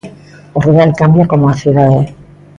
O rural cambia como a cidade.